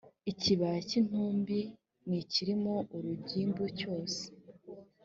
ikibaya cy intumbi n icyiririmo urugimbu cyose